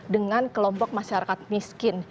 dengan kelompok masyarakat miskin